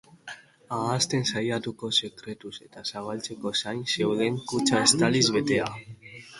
Ahazten saiatutako sekretuz eta zabaltzeko zain zeuden kutxa estaliz betea.